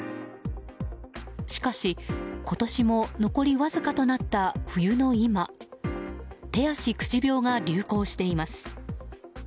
しかし、今年も残りわずかとなった冬の今手足口病が流行しています。